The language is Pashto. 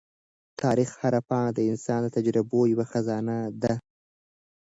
د تاریخ هره پاڼه د انسان د تجربو یوه خزانه ده.